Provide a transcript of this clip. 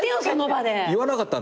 言わなかったんだ。